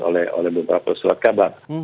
oleh beberapa selat kabar